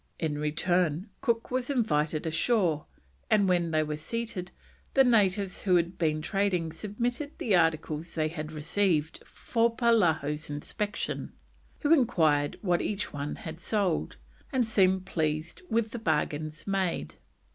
In return Cook was invited ashore, and when they were seated, the natives who had been trading submitted the articles they had received for Polaho's inspection, who enquired what each one had sold, and seemed pleased with the bargains made.